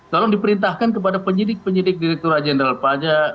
tolong diperintahkan kepada penyidik penyidik direkturat jenderal pajak